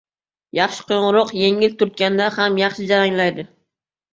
• Yaxshi qo‘ng‘iroq yengil turtganda ham yaxshi jaranglaydi.